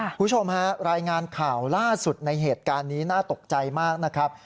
คุณผู้ชมฮะรายงานข่าวล่าสุดในเหตุการณ์นี้น่าตกใจมากนะครับ